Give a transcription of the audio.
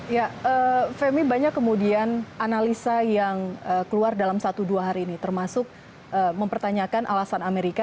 ya femi banyak kemudian analisa yang keluar dalam satu dua hari ini termasuk mempertanyakan alasan amerika